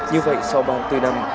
như vậy sau bao tư năm